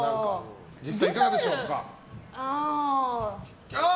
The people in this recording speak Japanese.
実際いかがでしょうか。